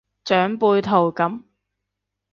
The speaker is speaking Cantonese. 長輩圖噉